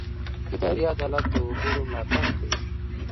اداري عدالت د وګړو ملاتړ کوي.